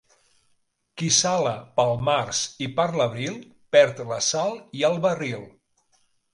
Qui sala pel març i per l'abril perd la sal i el barril.